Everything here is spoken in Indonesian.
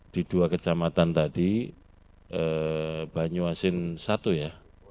di dua kejamatan tadi banyuasin i ya